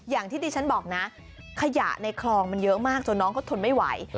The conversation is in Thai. อย่างที่ดิฉันบอกนะขยะในคลองมันเยอะมากจนน้องเขาทนไม่ไหว